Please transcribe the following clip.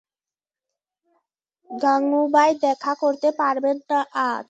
গাঙুবাই দেখা করতে পারবেন না আজ।